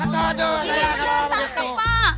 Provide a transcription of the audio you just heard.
tidak tidak tidak